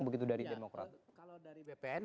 begitu dari demokrat kalau dari bpn